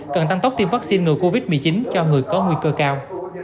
cần tăng tốc tiêm vaccine ngừa covid một mươi chín cho người có nguy cơ cao